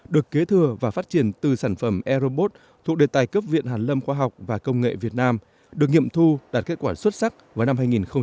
được kế thừa và phát triển từ sản phẩm e robot thuộc đề tài cấp viện hàn lâm khoa học và công nghệ việt nam được nghiệm thu đạt kết quả xuất sắc vào năm hai nghìn một mươi năm